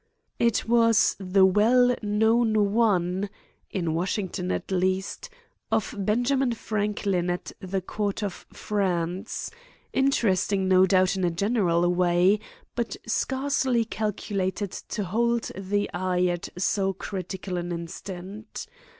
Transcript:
It was the well known one—in Washington at least—of Benjamin Franklin at the Court of France; interesting no doubt in a general way, but scarcely calculated to hold the eye at so critical an instant.